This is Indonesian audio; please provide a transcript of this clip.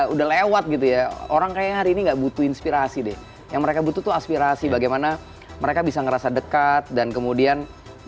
udah lewat gitu ya orang kayaknya hari ini nggak butuh inspirasi deh yang mereka butuh tuh aspirasi bagaimana mereka bisa ngerasa dekat dan kemudian